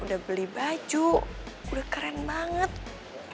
udah keren banget masa tiba tiba di cancel emang kenapa sih pih